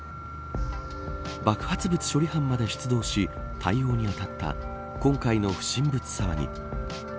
爆発物処理班まで出動し対応にあたった今回の不審物騒ぎ。